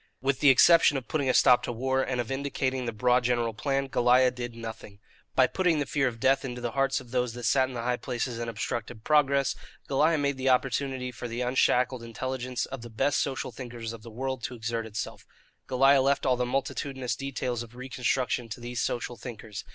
With the exception of putting a stop to war, and of indicating the broad general plan, Goliah did nothing. By putting the fear of death into the hearts of those that sat in the high places and obstructed progress, Goliah made the opportunity for the unshackled intelligence of the best social thinkers of the world to exert itself. Goliah left all the multitudinous details of reconstruction to these social thinkers.